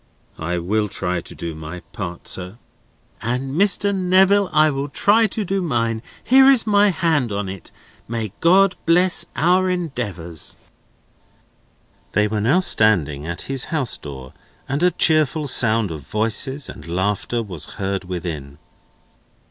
"I will try to do my part, sir." "And, Mr. Neville, I will try to do mine. Here is my hand on it. May God bless our endeavours!" They were now standing at his house door, and a cheerful sound of voices and laughter was heard within.